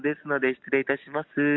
失礼いたします。